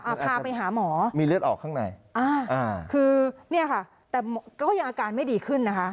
พาไปหาหมอมีเลือดออกข้างในอ่าอ่าคือเนี่ยค่ะแต่ก็ยังอาการไม่ดีขึ้นนะคะ